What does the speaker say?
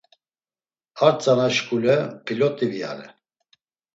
Ar tzana şkule pilot̆i viyare.